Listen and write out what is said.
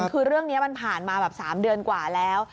คือเรื่องนี้มันผ่านมาแบบ๓เดือนกว่าแล้ว